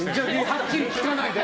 はっきり聞かないで！